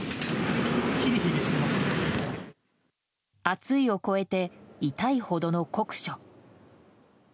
暑いを超えて痛いほどの酷暑。